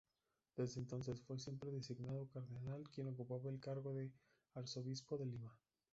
Desde entonces, fue siempre designado cardenal quien ocupaba el cargo de Arzobispo de Lima.